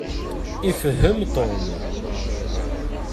Ifehhem Tom.